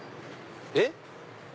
えっ？